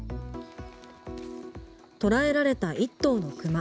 捕らえられた１頭の熊。